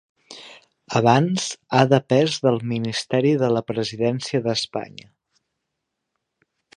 Abans, ha depès del Ministeri de la Presidència d'Espanya.